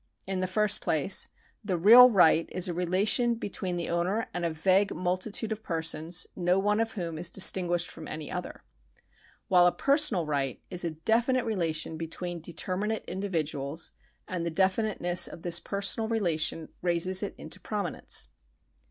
In the first place, the real right is a relation between the owner and a vague multitude of persons, no one of whom is distinguished from any other ; while a personal right is a definite relation between determinate individuals, and the definiteness of this personal relation raises it into prominence.